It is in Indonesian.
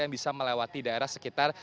yang bisa melewati daerah sekitar